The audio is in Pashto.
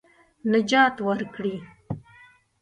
نجات ورکړي.